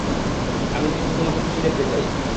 আমি তো শুধু তোমাকে খুশি দেখতে চাই।